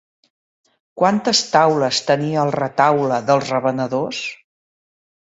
Quantes taules tenia el retaule dels Revenedors?